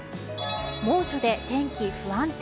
猛暑で天気不安定。